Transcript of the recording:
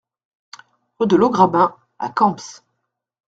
Rue de l'Augraben à Kembs